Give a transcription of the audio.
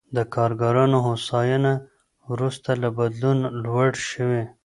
د کارګرانو هوساینه وروسته له بدلون لوړ شوې.